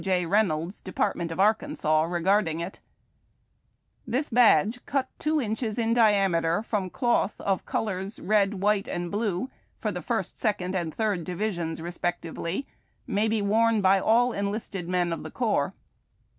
J. Rey nolds, Department of Arkansas, regarding it :—" Tins badge, cut two inches in diameter, from cloth of colors red, white, and blue, for the 1st, 2d, and 3d Divisions respectively, may be worn by all eidisted men of the Corps."